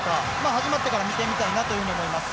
始まってから見てみたいなと思います。